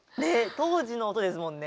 当時の音ですもんね。